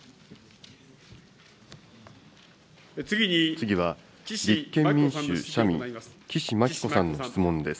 次は立憲民主・社民、岸真紀子さんの質問です。